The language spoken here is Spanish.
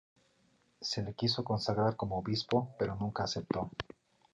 Se le quiso consagrar como obispo, pero nunca aceptó.